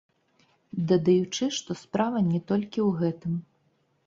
Дадаючы, што справа не толькі ў гэтым.